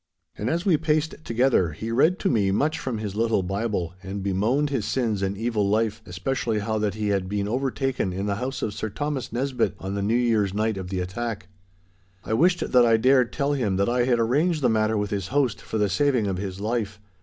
And as we paced together he read to me much from his little Bible, and bemoaned his sins and evil life, especially how that he had been overtaken in the house of Sir Thomas Nisbett on the New Year's night of the attack. I wished that I dared tell him that I had arranged the matter with his host for the saving of his life.